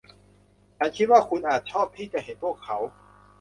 ฉันคิดว่าคุณอาจชอบที่จะเห็นพวกเขา